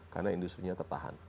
karena industri nya tertahan